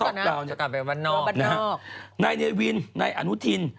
นายเวียนนายอานุทิน